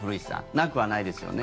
なくはないですよね。